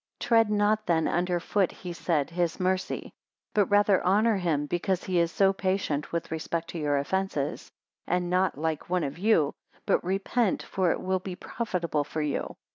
274 Tread not then under foot he said, his mercy; but rather honour him, because he is so patient with respect to your offences, and not like one of you; but repent, for it will be profitable for you.